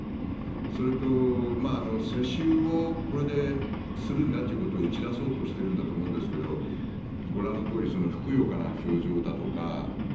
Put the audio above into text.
それと世襲をこれでするんだということを打ち出そうとしているんだと思いますがご覧のとおり娘さんのふくよかな表情だとか